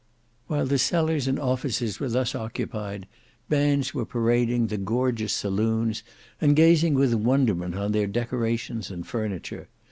While the cellars and offices were thus occupied, bands were parading the gorgeous saloons and gazing with wonderment on their decorations and furniture.